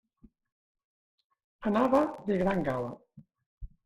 Anava de gran gala.